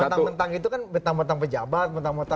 mentang mentang itu kan mentang mentang pejabat mentang mentang